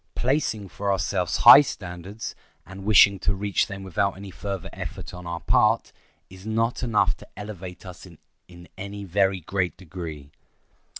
Placing for ourselves high standards, and wishing to reach them without any further effort on our part, is not enough to elevate us in any very great degree.